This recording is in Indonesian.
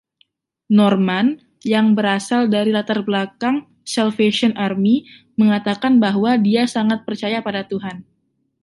Norman, yang berasal dari latar belakang Salvation Army, mengatakan bahwa dia sangat percaya pada Tuhan.